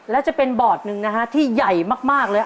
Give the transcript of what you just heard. และจะเป็นบอร์ดหนึ่งนะฮะที่ใหญ่มากเลย